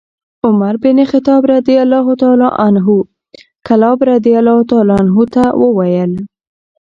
عمر بن الخطاب رضي الله عنه کلاب رضي الله عنه ته وویل: